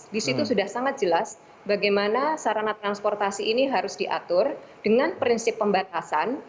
di situ sudah sangat jelas bagaimana sarana transportasi ini harus diatur dengan prinsip pembatasan